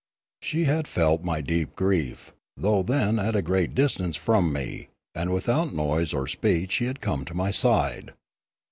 She had felt my deep grief, though then at a great distance from me, and without noise or speech she had come to my side.